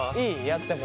やっても？